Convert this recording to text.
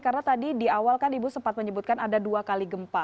karena tadi di awal kan ibu sempat menyebutkan ada dua kali gempa